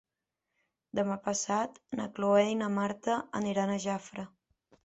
Demà passat na Cloè i na Marta aniran a Jafre.